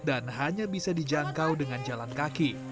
dan hanya bisa dijangkau dengan jalan kaki